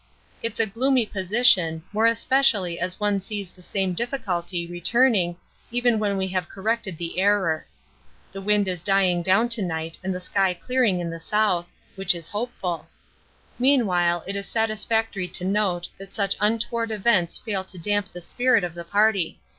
It's a gloomy position, more especially as one sees the same difficulty returning even when we have corrected the error. The wind is dying down to night and the sky clearing in the south, which is hopeful. Meanwhile it is satisfactory to note that such untoward events fail to damp the spirit of the party.